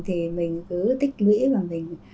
thì mình cứ tích lũy vào mình